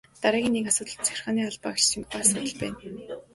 Дараагийн нэг асуудал нь захиргааны албан хаагчдын тухай асуудал байна.